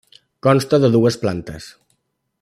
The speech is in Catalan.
Consta de dues plantes.